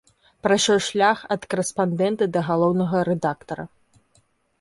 Прайшоў шлях ад карэспандэнта да галоўнага рэдактара.